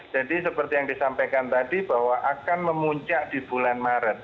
jadi seperti yang disampaikan tadi bahwa akan memuncak di bulan maret